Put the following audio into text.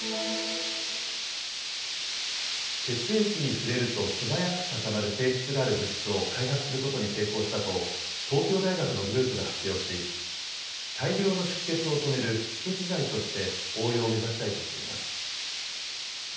血液に触れると素早く固まる性質がある物質を開発することに成功したと東京大学のグループが発表し大量の出血を止める止血剤として応用を目指したいとしています。